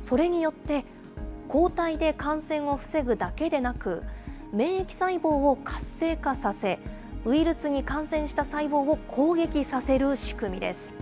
それによって、抗体で感染を防ぐだけでなく、免疫細胞を活性化させ、ウイルスに感染した細胞を攻撃させる仕組みです。